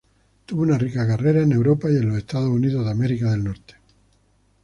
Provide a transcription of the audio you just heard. Tuvo una rica carrera en Europa y Estados Unidos.